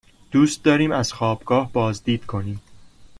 دوست داریم از خوابگاه بازدید کنیم.